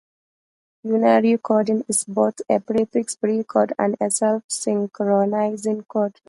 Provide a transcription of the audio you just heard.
Unary coding is both a prefix-free code and a self-synchronizing code.